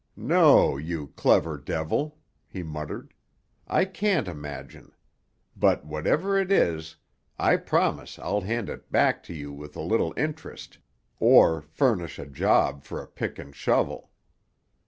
"No, you clever devil!" he muttered. "I can't imagine. But whatever it is, I promise I'll hand it back to you with a little interest, or furnish a job for a pick and shovel."